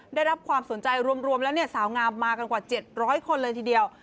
ได้รับความสนใจรวมแล้วสาวงามมากันกว่า๗๐๐คนเลยทีเดียว